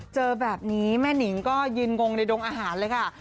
เจอแบบนี้แม่นิงก็ยืนงงในดงอาหารเลยค่ะ